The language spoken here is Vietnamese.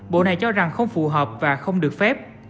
bộ này cho rằng không phù hợp và không được phép